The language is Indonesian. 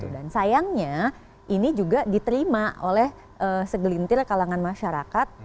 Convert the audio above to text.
dan sayangnya ini juga diterima oleh segelintir kalangan masyarakat